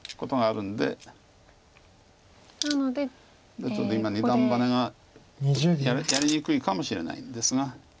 ちょっと今二段バネがやりにくいかもしれないんですが。